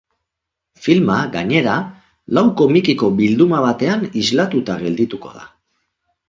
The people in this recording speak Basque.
Filma, gainera, lau komikiko bilduma batean islatuta geldituko da.